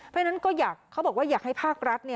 เพราะฉะนั้นก็อยากเขาบอกว่าอยากให้ภาครัฐ